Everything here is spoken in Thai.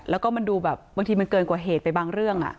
แล้วก็มันดูแบบบางทีมันเกินกว่าเหตุไปบางเรื่อง